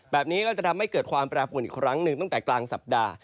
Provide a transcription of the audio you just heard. แบบนี้ก็จะทำให้เกิดความแปรปวนอีกครั้งหนึ่งตั้งแต่กลางสัปดาห์